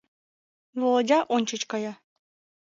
Володя ончыч кая.